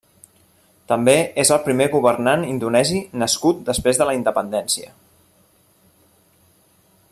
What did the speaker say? També és el primer governant indonesi nascut després de la independència.